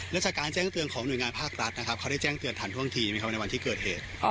แล้วจากการแจ้งเตือนของหน่วยงานภาครัฐนะครับเขาได้แจ้งเตือนทันท่วงทีไหมครับในวันที่เกิดเหตุ